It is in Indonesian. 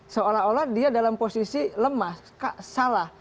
seolah olah dia dalam posisi lemah salah